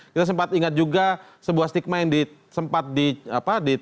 kita sempat ingat juga sebuah stigma yang sempat diperlukan